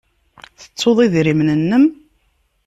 Tettuḍ idrimen-nnem?